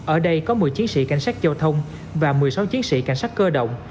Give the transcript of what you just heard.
ở đây có một mươi chiến sĩ cảnh sát giao thông và một mươi sáu chiến sĩ cảnh sát cơ động